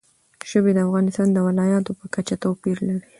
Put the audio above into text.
ژبې د افغانستان د ولایاتو په کچه توپیر لري.